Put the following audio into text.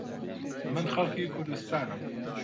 من خەڵکی کوردستانم.